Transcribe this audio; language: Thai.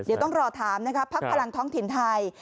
เดี๋ยวต้องรอถามนะครับพักพลังท้องถิ่นไทย